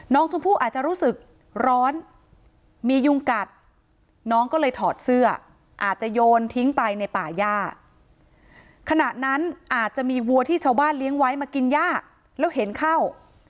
น้องชมพู่อาจจะรู้สึกร้อนมียุงกัดน้องก็เลยถอดเสื้ออาจจะโยนทิ้งไปในป่าย่าขณะนั้นอาจจะมีวัวที่ชาวบ้านเลี้ยงไว้มากินย่าแล้วเห็นเข้า